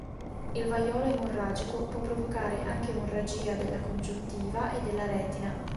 Il vaiolo emorragico può provocare anche emorragia della congiuntiva e della retina.